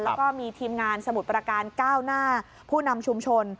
แล้วก็มีทีมงานสมุทรประการก้าวหน้าผู้นำชุมชน